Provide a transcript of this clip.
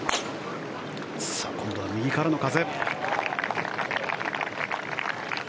今度は右からの風。